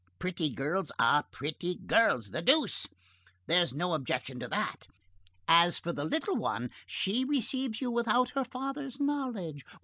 Pretty girls are pretty girls, the deuce! There's no objection to that. As for the little one, she receives you without her father's knowledge.